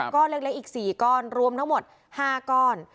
ก้อนเล็กอีก๔ก้อนรวมทั้งหมด๕ก้อน